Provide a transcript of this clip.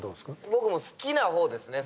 僕も好きな方ですね